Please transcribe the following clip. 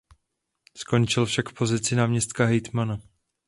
Skončil však v pozici náměstka hejtmana.